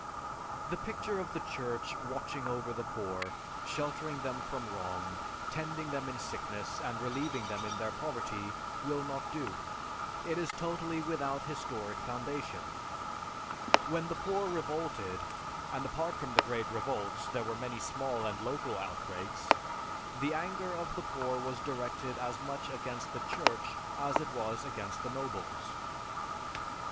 The picture of the Church watching over the poor, sheltering them from wrong, tending them in sickness, and relieving them in their poverty will not do. It is totally without historic foundation. When the poor revolted, and apart from the great revolts, there were many small and local outbreaks, the anger of the poor was directed as much against the Church as it was against the nobles." (_C.